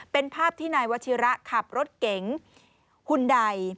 เป็นภาพที่นายวัชิระขับรถเก๋งหุ่นใด